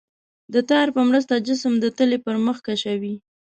د تار په مرسته جسم د تلې پر مخ کشوي.